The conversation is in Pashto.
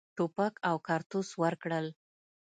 توپک او کارتوس ورکړل.